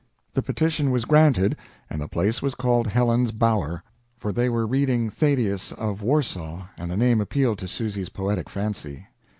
The petition was granted and the place was called Helen's Bower, for they were reading "Thaddeus of Warsaw", and the name appealed to Susy's poetic fancy.